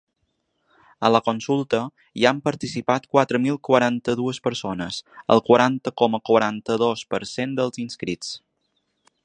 A la consulta, hi han participat quatre mil quaranta-dues persones, el quaranta coma quaranta-dos per cent dels inscrits.